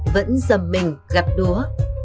vẫn giầm mình gặp đúa